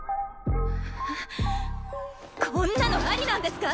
こんなのありなんですか！？